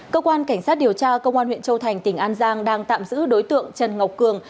cơ quan cảnh sát điều tra công an huyện châu thành tỉnh an giang đang tạm giữ đối tượng trần ngọc cường